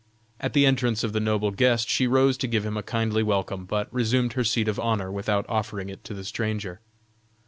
At the entrance of the noble guest she rose to give him a kindly welcome, but resumed her seat of honor without offering it to the stranger.